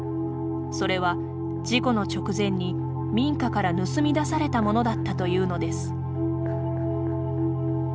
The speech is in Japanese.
それは、事故の直前に民家から盗み出されたものだったというのです。